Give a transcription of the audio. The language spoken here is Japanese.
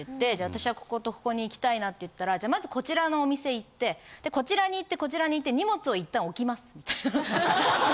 私はこことここに行きたいなって言ったらまずこちらのお店行ってこちらに行ってこちらに行って荷物をいったん置きますみたいな。